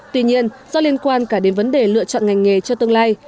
tuy nhiên do liên quan cả đến vấn đề lựa chọn ngành nghề cho tương lai